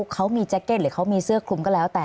เค้ามีแจ็กเก็ตหรือมีเสื้อคลุม